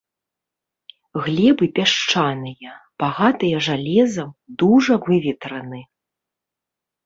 Глебы пясчаныя, багатыя жалезам, дужа выветраны.